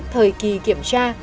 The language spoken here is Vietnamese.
thời kỳ kiểm tra